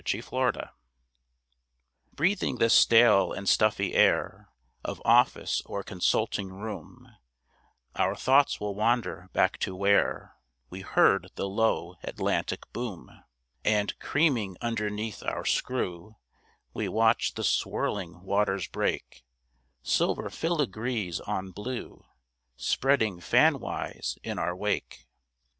A VOYAGE 1909 Breathing the stale and stuffy air Of office or consulting room, Our thoughts will wander back to where We heard the low Atlantic boom, And, creaming underneath our screw, We watched the swirling waters break, Silver filagrees on blue Spreading fan wise in our wake.